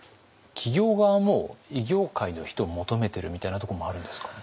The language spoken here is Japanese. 企業側も異業界の人を求めてるみたいなとこもあるんですか？